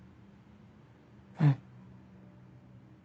うん。